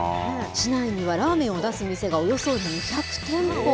市内には、ラーメンを出す店がおよそ２００店舗。